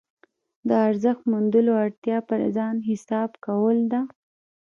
د ارزښت موندلو اړتیا پر ځان حساب کول ده.